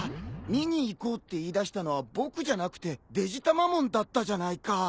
見に行こうって言いだしたのは僕じゃなくてデジタマモンだったじゃないか。